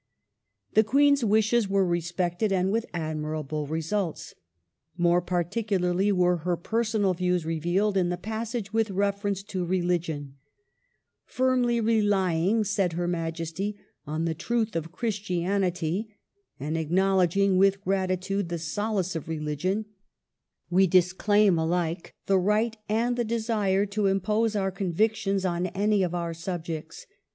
^ The Queen's wishes were respected, and with admirable results. More particularly were her personal views revealed in the passage with reference to religion :*' Firmly relying," said her Majesty, on the truth of Christianity, and acknowledging with gi'atitude the solace of religion, we disclaim alike the right and the desire to impose our convictions on any of our subjects.